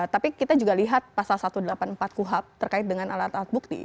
tapi kita juga lihat pasal satu ratus delapan puluh empat kuhap terkait dengan alat alat bukti